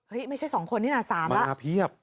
เฮ้ยไม่ใช่สองคนนี่น่ะสามแล้วมาเพียบ